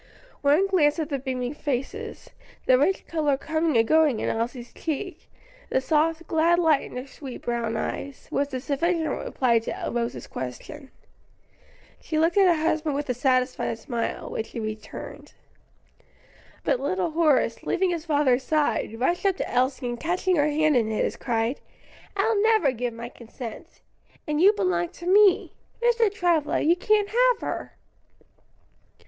One glance at the beaming faces, the rich color coming and going in Elsie's cheek, the soft, glad light in her sweet brown eyes, was a sufficient reply to Rose's question. She looked at her husband with a satisfied smile, which he returned. But little Horace, leaving his father's side, rushed up to Elsie, and catching her hand in his, cried, "I'll never give my consent! and you belong to me. Mr. Travilla, you can't have her."